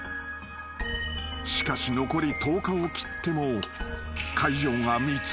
［しかし残り１０日を切っても］